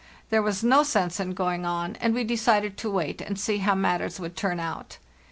There was no sense in going on, and we decided to wait and see how matters would turn out.